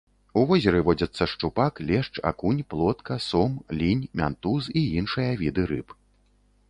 У возеры водзяцца шчупак, лешч, акунь, плотка, сом, лінь, мянтуз і іншыя віды рыб.